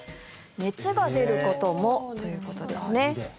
熱が出ることもということです。